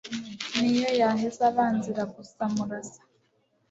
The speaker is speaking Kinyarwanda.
Ni yo yaheza abanzi Iragusa, murasa